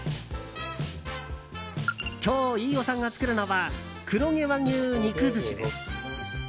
今日、飯尾さんが作るのは黒毛和牛肉寿司です。